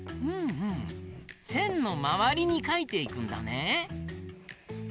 ふんふんせんのまわりにかいていくんだね。